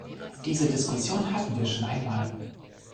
Diese Diskussion hatten wir schon einmal.